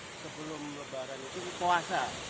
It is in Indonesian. sudah lama sebelum lebaran itu itu puasa